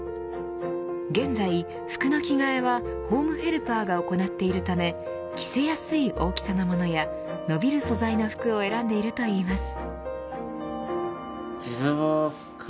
現在、服の着替えはホームヘルパーが行っているため着せやすい大きさのものや伸びる素材の服を選んでいるといいます。